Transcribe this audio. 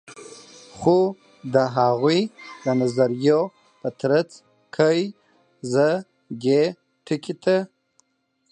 خو د هغوي د نظریو په ترڅ کی زه دې ټکي ته